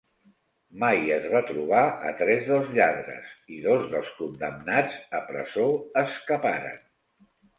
Mai es va trobar a tres dels lladres i dos dels condemnats a presó escaparen.